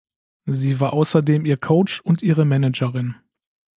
Sie war außerdem ihr Coach und ihre Managerin.